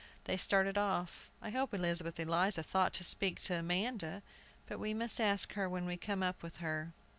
They started off. "I hope Elizabeth Eliza thought to speak to Amanda, but we must ask her when we come up with her."